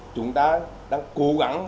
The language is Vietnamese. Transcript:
chúng ta đang cố gắng